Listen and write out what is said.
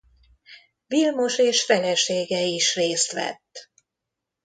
Vilmos és felesége is részt vett.